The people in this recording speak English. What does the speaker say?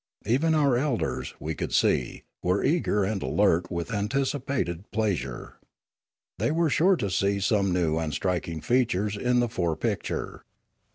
Even our elders, we could see, were eager and alert with anticipated pleasure. They were sure to see some new and striking features in the fore picture.